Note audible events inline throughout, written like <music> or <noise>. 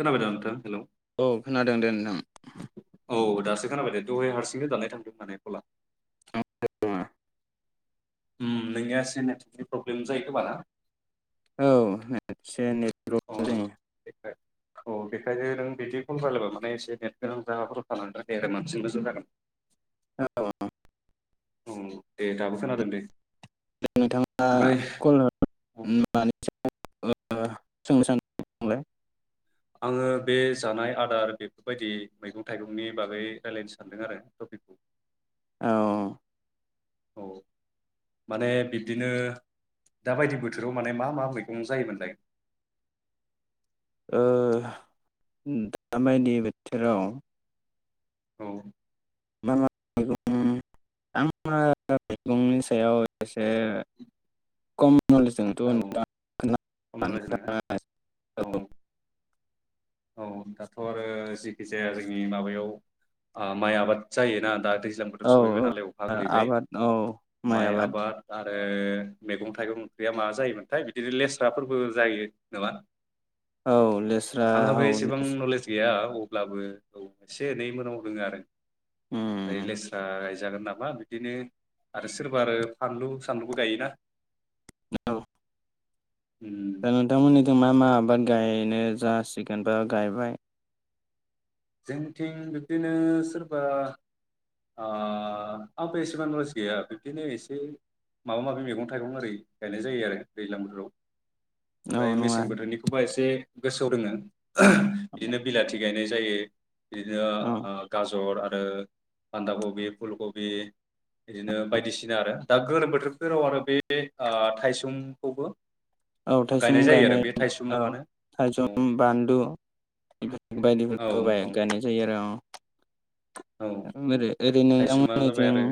खोनाबायदा नोंथां हेलौ औ खोनादों दे नोंथां। औ दासो खोनाबाय दहाय हारसिंनो दाननाय थांदों माने ख'ला। <unintelligible> उम नोंनिया एसे नेटवर्कनि प्रब्लेम जायो खोमा ना? औ एसे नेत अ औ बेखायनो नों बिदिखौल' रालायबा माने एसे नेट गोनां जागाफोराव थानांगोन अब्ला बांसिन मोजां जागोन। जायो औ औ दे दाबो खोनादों दे। नोंथाङा ओमफ्राय क'ल हर होन <unintelligible> आङो बे जानाय आदार बेफोरबायदि मैगं थाइगंनि बागै रायलायनो सानदों आरो टपिकखौ। औ। औ माने बिब्दिनो दा बायदि बोथोराव माने मा मा मैगं जायोमोनलाय? ओ दाबायदि बोथोराव औ मा मा मैगं आं थैगंनि सायाव एसे खम औ नलेजजोंथ खम नलेज <unintelligible> औ नोङो औ दाथ' आरो जिखि जाया जोंनि माबायाव माइ आबाद जायोना दा। दैज्लां बोथोर औ सफैबाय नालाय अखा गोग्लैबाय आबाद औ माइ आबाद आरो ओ मैगं थाइगं ओंख्रिया माबा जायोमोनथाय बिदिनो लेस्राफोरबो जायो नामा? औ लेस आंहाबो एसेबां नलेज गैया। अब्लाबो औ एसे एनै मोनाव दोङो आरो। नै उम लेस्रा जागोन नामा बिदिनो आरो सोरबा आरो फानलु सानलुबो गायोना। औ। दा उम नोंथांमोननिथिं मा मा आबाद? गायनो जासिगोन बा गायबाय जोंथिं बिब्दिनो सोरबा ओ आंबो एसेबां लस गैया बिब्दिनो एसे माबा माबि मैगं थाइगं ओरै गायनाय जायो आरो दैज्लां बोथोराव। औ ओमफ्राय नङा मेसें बोथोरनिखौबा एसे गोसोआव दोङो। बिदिनो बिलाथि गायनाय जायो। बिदिनो औ ओ गाजर आरो ओ बान्दा कबि फुल कबि बिदिनो बायदिसिना आरो दा गोलोम बोथोरफोराव आरो बे थाइसुखौबो औ थाइसुम गायनाय औ मानो औ थायसुम बानलु औ बायदिफोरखौ गाय औ गायनाय जायो आरो अ। <unintelligible> औ ओरैनो थायसुमा जाबाय नोंथांमोननिथिं आरो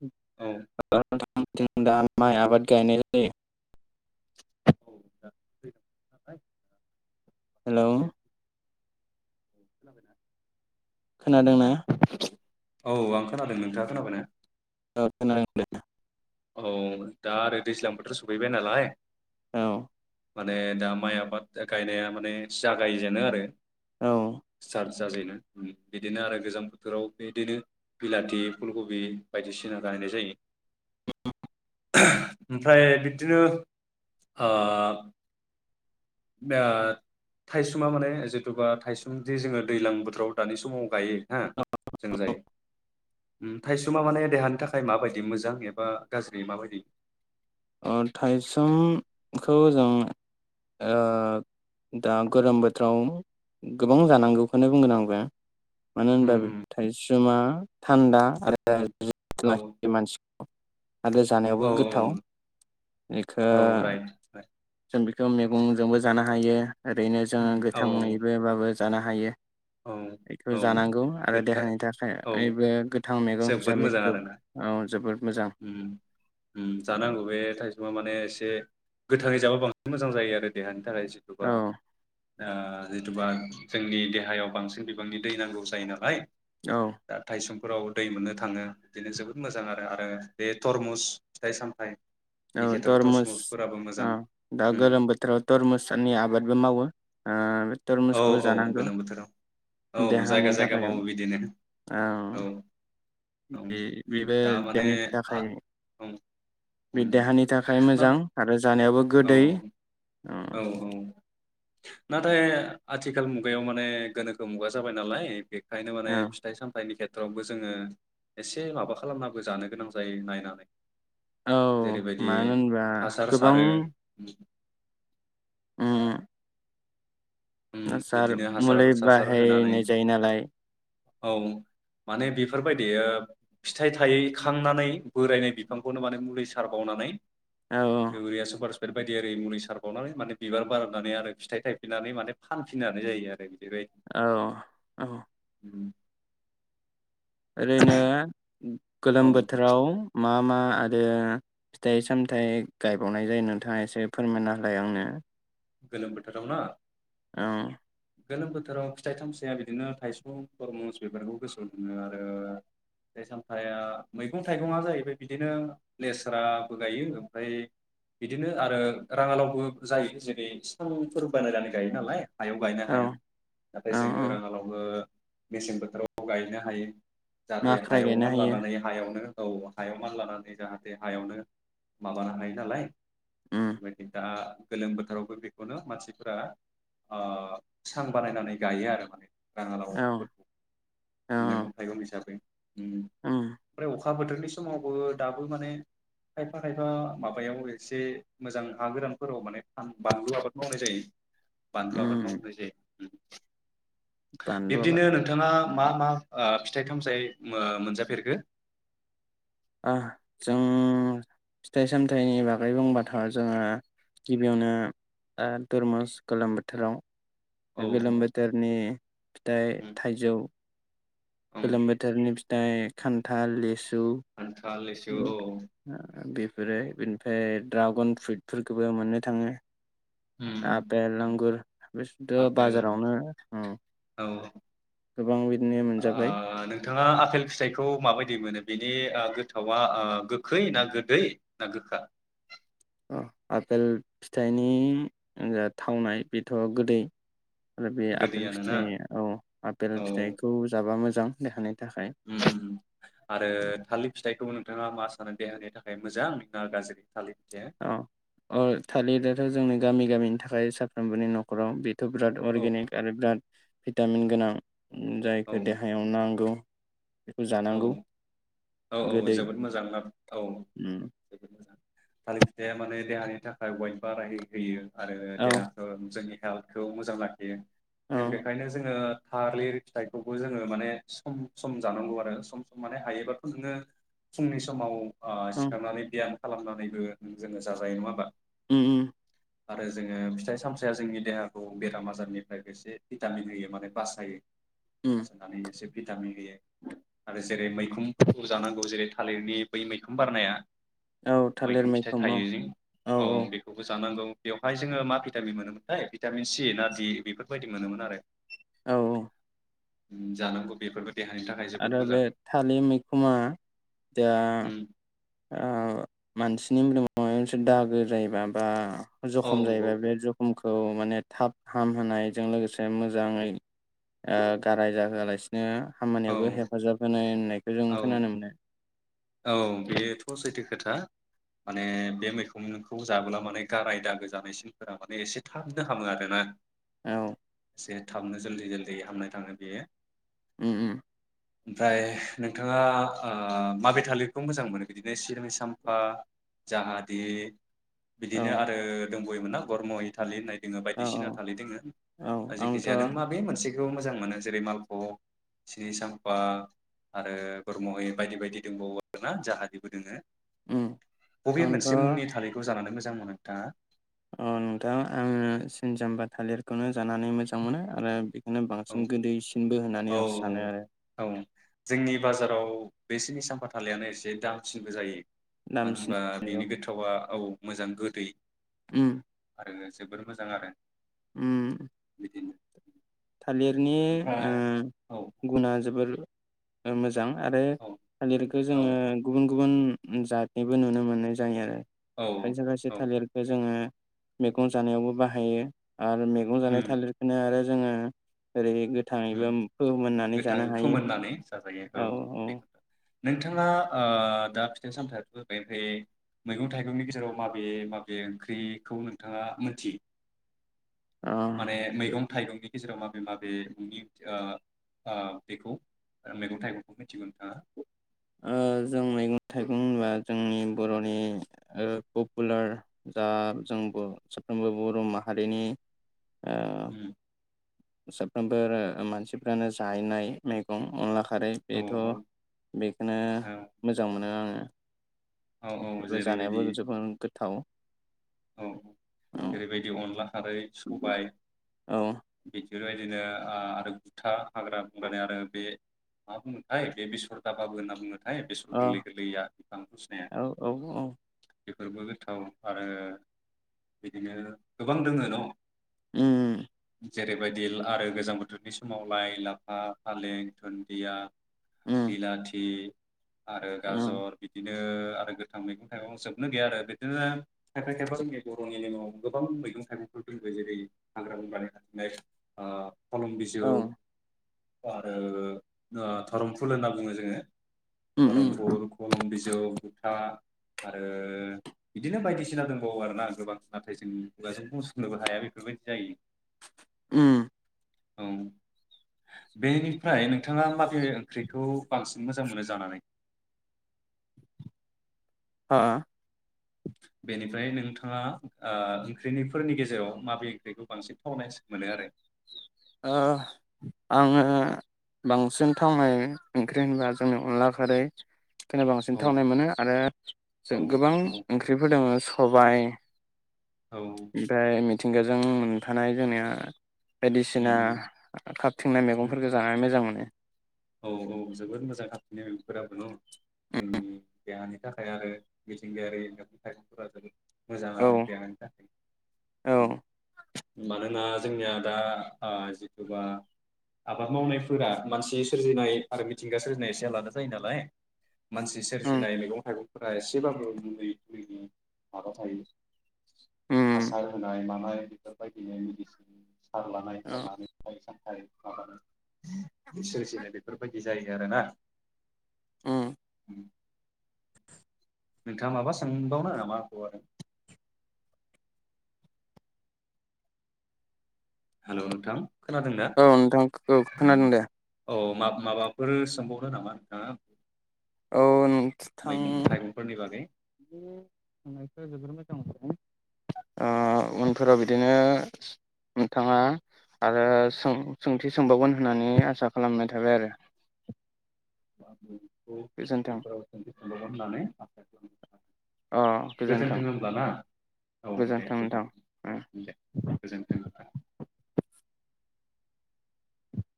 <unintelligible> औ आंथिं दा माइ आबाद गायनाय जायो। हेलौ खोनाबायना? खोनादोंना औ आं खोनादों। नोंथाङा खोनाबाय ना? औ खोनादों दे। औ दा आरो दैज्लां बोथोर सफैबाय नालाय, औ। माने दा माइ आबाद गायनाया माने जागायजेनो आरो। औ। स्टार्ट जाजेनो उम बिदिनो आरो गोजां बोथोराव बिदिनो बिलाथि फुलकबि बायदिसिना गायनाय जायो। <unintelligible> ओमफ्राय बिब्दिनो ओ बेआ थाइसुमा माने जिथुबा थाइसुमदि जोङो दैलां बोथोराव दानि समाव गायो हा जों जायो। उम थाइसुमा माने देहानि थाखाय माबायदि मोजां एबा गाज्रि माबायदि? अ थाइसुम खौ जों ओ दा गोलोम बोथोराव गोबां जानांगौखौनो बुंगोन आं। बे मानो उम होनबा बे उम थाइसुमा थान्दा उम आरो <unintelligible> औ लाखि मानसि आरो जानायावबो औ गोथाव। इखो औ राइट राइट। बिखौ मेगंजोंबो जानो हायो। ओरैनो जोङो उम, औ गोथाङैबो बाबो जानो हायो। बेखौ औ औ जानांगौ आरो गोथां देहानि थाखाय औ आइबो गोथां मैगं जोबोद हिसाबै मोजां गो आरोना औ जोबोद मोजां। औ सुमा माने एसे गोथाङै जाबा बांसिन मोजां जायो आरो देहानि। <unintelligible> जिथुबा औ ओ जिथुबा जोंनि देहायाव बांसिन बिबांनि दै नांगौ जायो नालाय। दा थाइसुम फोराव दै मोननो थाङो बिदिनो जोबोद मोजां आरो आरो बे थरमुस फिथाइ सामथाइ औ तरमुस औ दा उम गोलोम बोथोराव तरमुसनि आबादबो मावो ओ औ तरमुसखौबो औ जानांगौ गोलोम बोथोराव औ देहानि जायगा-जायगा थाखाय मावो बिदिनो औ औ बे बेबो दा माने देहानि आ थाखाय औ औ बे देहानि थाखाय मोजां आरो जानायावबो औ गोदै औ ओ औ नाथाय आथिखाल मुगायाव माने गोनोखो मुगा जाबाय नालाय बे बेखाय माने ओ फिथाइ सामथायनि खेथ <unintelligible> जोङो एसे माबा खालामनाबो जानो गोनां जायो नायनानै औ जेरैबायदि मानो होनबा हासार गोबां सारो उम उम, हासार बिदिनो मौलै हासार सासार होनानै बाहायनाय जायो नालाय औ माने बेफोरबायदि फिथाइ थायै खांनानै बोरायनाय बिफांखौनो माने मुलि सारबावनानै औ एवरिया सुपार बेफोरबायदि ओरै मुलि सारबावनानै माने बिबार बारनानै आरो फिथाइ थायफिननानै माने फानफिननो हानाय जायो आरो बिदिबायदि औ औ ओरैनो औ गोलोम बोथोराव मा मा आरो फिथाइ सामथायाइ गायबावनाय जायो नोंथाङा एसे फोरमायना होलाय आंनो गोलोम बोथोराव ना औ गोलोम बोथोराव फिथाइ सामथाया बिदिनो थाइसं थरमुस बेफोरखौ गोसोआव दङो आरो फिथाइ सामथाया मैगं थाइगङा जाहैबाय बिदिनो लेस्राबो गायो ओमफ्राय बिदिनो आरो राङालावबो जायो ज सांफोर बानायनानै गायो नालाय हायाव गायनो औ हाया नाथाय औ जोङो औ राङालावबो मेसें बोथोराव गायनो हायो जाहाथे माख्राय हायाव गायनो हायो मानलानानै हायावनो औ हायाव मान लानानै जाहाथे हायावनो माबानो हायो नालाय उम <unintelligible> गोलोम बोथोराव बेखौनो मानसिफोरा सां बानायनानै गायो आरो माने राङा औ लाव औ मैगं थाइगं हिसाबै उम ओमफ्राय अखा अखा बोथोरनि समावबो दाबो माने खायफा खायफा माबायाव एसे मोजां हा गोरानफोराव माने फान बानलु आबाद मावनाय जायो बानलु आबाद उम मावनाय जायो बानलु आबाद बिब्दिनो नोंथाङा मा मा फिथाइ सामथाइ मोनजाफेरखो ओ जों फिथाइ सामथाइनि बागै बुंबाथ'जोंङो गिबियावनो तुरमुस गोलोम औ बोथोराव गोलोम बोथोरनि फिथाइ थाइजौ औ गोलोम बोथोरनि थां खान्थाल लिसु खान्थाल लिसु औ बे फोरो बिनिफ्राय दड्रागन फ्रुइटफोरखौबो मोननो थाङो उम आपेल उम आंगुर बिथ' आफेल बाजारावनो औ ओ गोबां बिदिनो मोनजाबाय नोंथाङा आपेल फिथाइखौ माबायदि मोनो बेनि गोथावा गोखै ना गोदै ना गोखा आपेल फिथाइनि जा थावनाय बेथ' गोदै आरो बे आपेल गोदैयानोना फिथाइ औ आफेल औ फिथाइखौ जाबा मोजां <unintelligible> आरो थालिर फिथाइखौ नोंथाङा मा सानो देहानि थाखाय मोजां नङा गाज्रि थालिर फिथाइया औ अ थालिर दाथ' जोंनि गामि गामिनो था खायो साफ्रोमबोनि न'खराव बि थ' बिराद औ अरगेनिक आरो बिराद भिटामिन गोनां औ जायखौ देहायाव नांगौ बेखौ औ जानांगौ औ औ गोदै जोबोद मोजां ला औ उम जोबोद मोजां थालिर फिथाया माने देहानि थाखाय वैद बाराय होयो। आरो औ देहाखो जोंनि हेल्थखौ मोजां ला खियो औ जों बेखायनो जोंङो थालिर फिथाइखौबो जोंङो माने सम सम जानांगौ आरो। आरो सम सम माने हायोबाथ' नोंङो फुंनि समाव ओ औ उम सिखारनानै बियाम खालामनानैबो जोङो जाजायो नङा होमबा? उम उम आरो जोङो फिथाइ सामथायाइया जोंनि देहाखौ बेराम आजारनिफ्राय एसे भिटामिन होयो माने बासायो। उम बासायनानै एसे भिटामिन होयो आरो जेरै मैखुनफोरखौ जानांगौ जेरै थालिरनि बै मैखुन बारनाया औ थालिर मैखुन फिथाइ मैखोम औ थायो जि औ बेखौबो जानांगौ बेवहाय जोङो मा भिटामिन मोनोमोन है भिटामिन सि ना डि बेफोरबायदि मोनोमोन आरो औ औ जानांगौ बेफोरबो देहानि थाखाय जोबोद आरो मोजां बे थालिर मैखुना दा उम ओ मानसिनि मोदोमाव मायबा मोनसे दागो जायोबा बा औ जखम जायोबा बे औ जखमखौ माने थाब हामहोनायजों लोगोसे मोजाङै गाराय जाहोआलासिनो औ खामानियावबो हेफाजाब होनाय होननायखौ जों औ खोनानो मोनो। औ बेथ' सैथो खोथा माने बे मैखुनखौ जाबोला माने गाराय दागो जानाय सिनफोरा माने एसे थाबनो हामो आरोना। औ। एसे थाबनो जल्ददि जल्ददि हामनो थाङो बेयो। उम उम। ओमफ्राय नोंथाङा ओ माबायदि थालिरखौ मोजां मोनो बिदिनो सिनि साम्पा जाहादि औ बिदिनो आरो दंबावोमोनना गर्मइ थालिर होननाय दङ औ बायदिसिना थालिर दङ औ जायखि आंथ' जाया नों मा बेे मोनसे मोजां मोनो जेरै मालब'ग सिनि साम्पा आरो गुरमहै बायदि बायदि दंबावो आ ना जाहादिबो दङ। उम बबे आंथ' मोनसे मुंनि थालिरखौ जानानै मोजां मोजां मोनो नोंथाङा। अ नोंथां आङो सिनि साम्पा थालिरखौनो जानानै मोजां मोनो आरो बेखौनो औ बांसिन गोदैसिनबो होननानै औ आं सानो आरो औ जोंनि बाजाराव बे सिनि साम्पा थालिरानो एसे दामसिनबो जायो। मानो दामसिन होनबा बेनि गोथावा औ मोजां गोदै उम। जोबोर मोजां आरो। उम। बिदिनो थालिरनि ओ ओमफ्राय औ गुना जोबोर ओ मो जां आरो औ थालिरखौ औ जोङो गुबुन गुबुन जातनिबो नुनो मोननाय जायो आरो। औ खायसे खायसे औ थालिरखौ जोङो मैगं जानायावबो बाहायो। आरो मैगं जानाय उम थालिरखौनो आरो जोङो एरैहै गोथाङैबो उम फोमोननानै गोथां जानो हायो फोमोननानै जाजायो औ औ। बेखौ नोंथाङा ओ दा फिथाइ सामथायाथ' बेनिफ्राय मैगं थाइगंनि गेजेराव माबे माबे ओंख्रिखौ नोंथाङा मोनथियो? अ माने मैगं थाइगंनि गेजेराव माबे माबे <unintelligible> ओ ओ बेखौ मैगं थाइगंखौ मिथिगौ नोंथाङा? ओ जों मैगं थाइगं होनोबा जोंनि बर'नि ओ पपुलार जा जों साफ्रोमबो बर' माहारिनि ओ उम। साफ्रोमबो ओ मानसिफ्रानो जायनाय मैगं अनला खारै औ बेथ' बेखौनो मोजां मोनो आङो। औ औ बे जानायावबो जेरैबायदि जोबो गोथ थाव खारैद सबाय औ बिदि बेबायदिनो आ आरो गुथा हाग्रा बंग्रानि आरो बे मा बुंनोथाय बे बिसर दाबाबो होनना बुङो। हैइ बेसर अ गोरलै गोरलैया बिफांथ' सिनाया। औ औ औ बेफोरबो गोथाव आरो बिदिनो गोबां दोङो न? उम। जेरैबायदि आरो गोजां बोथोरनि समाव लाइ लाफा फालें धुन्दिया उम बिलाथि आरो औ गाजर बिदिनो ओ आरो गोथां मैगं थाइगं जोबनो गैया आरो बिदिनो खायफा खायफा जोंनि बर'नि नेमाव गोबां मैगं थाइगंफोर दङो जेरै हाग्रा बंग्रानि खाथिंनाय ओ खलम बिजौ औ आरो ओ धरमफुल होनना बुङो जोङो उम धरम उम फुल कलम बिज जौ बुथा आरो बिदिनो बायदिसिना दं। औ आरोना गोबां नाथाय जों खुगाजों बुंजोबनोबो हाया बेफोरबायदि जायो। उम। औ बेनिफ्राय नों नोंथाङा माबे ओंख्रिखौ बांसिन मोजां मोनो जानानै हा बेनिफ्राय नोंथाङा ओ ओंख्रिनिफोरनि गेजेराव माबे ओंख्रिखौ बांसिन थावनायसिन मोनो आरो ओ आङो बांसिन थावनाय ओंख्रि होनबा जोंनि अनला खारै खौनो रासिन औ थावनाय मोनो आरो औ जों गोबां औ ओंख्रिफोरस दङ सबाय औ उम ओमफाय मिथ मिथिंगाजों मोनफानाय जोंनिया बायदिसिना उम खाबथिंनाय उम मैगंफोरखौ जानानै मोजां मोनो औ औ जोबोद मोजां खाथिंनाय बेफोराबो न' जोंनि देहानि थाखाय आरो मिथिंगायारिनि मैगं थाइगंफोरा जोंनि मोजां औ आरो देहानि थाखाय औ उम मानोना जोंनिया दा ओ जितुबा आबाद मावनायफोरा मानसि सोरजिनाय आरो मिथिंगा सोरजिनाय एसे आलादा जायो नालाय। मानसि उम सेरजिनाय मैगं थाइगं फोरा एसेबाबो मुलि <unintelligible> माबा थायो। उम हासार होनाय मा <unintelligible> सार लानाय औ सारनानै <unintelligible> <unintelligible> दिनै बेफोरबायदि जायो आरोना उम नोंथाङा माबा सोंबावनो नामा खौ आरो। हेल' नोंथां। खोनादों ना औ नोंथां औ खोनादों दे। माब-माबाफोर सोंबावनो नामा नोंथाङा? औ नों मैगं थाइगंफोरनि बागै। <inaudible> ओ उनफोराव बिदिनो नोंथाङा आरो सों-सोंथि सोंबावगोन होननानै आसा खालामनाय थाबाय आरो बेखौ गोजोन्थों। उनफोराव सोंथि सोंबावगोन होननानै आसा खालामो गोजोन्थों होमब्ला ना औ दे गोजोन्थों नोंथां गोजोनथों दे गोजोन्थों